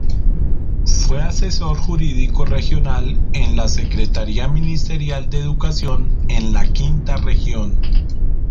Fue asesor jurídico regional en la Secretaría Ministerial de Educación en la V Región.